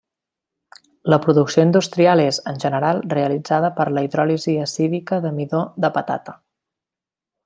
La producció industrial és, en general, realitzada per la hidròlisi acídica de midó de patata.